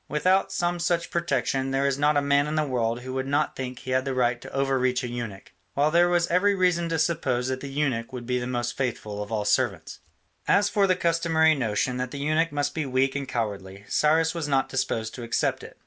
Without some such protection there is not a man in the world who would not think he had the right to over reach a eunuch: while there was every reason to suppose that the eunuch would be the most faithful of all servants. As for the customary notion that the eunuch must be weak and cowardly, Cyrus was not disposed to accept it.